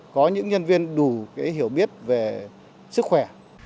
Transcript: có những nhân viên đủ hiểu biết về sức khỏe